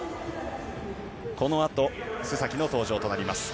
このあと須崎優衣の登場となります。